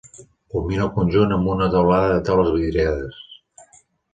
Culmina el conjunt amb una teulada de teules vidriades.